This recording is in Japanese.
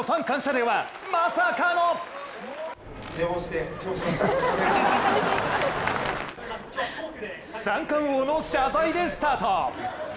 デーはまさかの三冠王の謝罪でスタート。